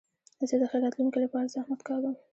زه د ښې راتلونکي له پاره زحمت کاږم.